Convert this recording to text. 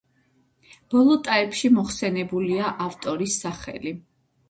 ბოლო ტაეპში მოხსენებულია ავტორის სახელი.